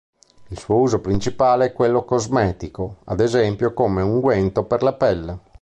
Il suo uso principale è quello cosmetico, ad esempio come unguento per la pelle.